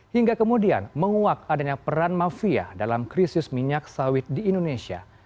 hingga kemudian menguak adanya peran mafia dalam krisis minyak sawit di indonesia